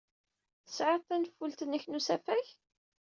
Tesɛid tanfult-nnek n usafag?